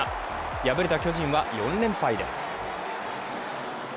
敗れた巨人は４連敗です。